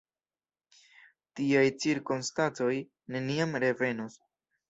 Tiaj cirkonstancoj neniam revenos.